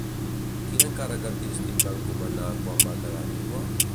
Quin encàrrec artístic va encomanar quan va quedar vídua?